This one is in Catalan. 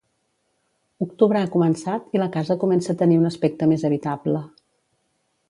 Octubre ha començat i la casa comença a tenir un aspecte més habitable.